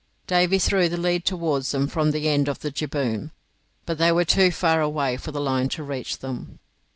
Davy threw the lead towards them from the end of the jibboom, but they were too far away for the line to reach them.